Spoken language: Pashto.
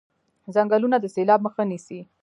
ځنګلونه د سیلاب مخه نیسي.